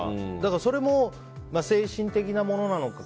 それも精神的なものなのか